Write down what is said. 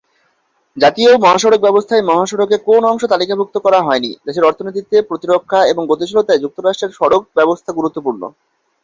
জাতীয় মহাসড়ক ব্যবস্থায় মহাসড়কে কোন অংশ তালিকাভুক্ত করা হয়নি, দেশের অর্থনীতি, প্রতিরক্ষা, এবং গতিশীলতায় যুক্তরাষ্ট্রের সড়ক ব্যবস্থা গুরুত্বপূর্ণ।